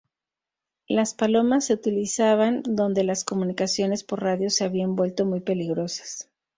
Las palomas se utilizaban donde las comunicaciones por radio se habían vuelto muy peligrosas.